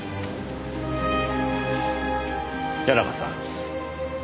谷中さん。